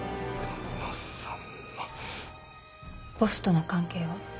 ボスとの関係は？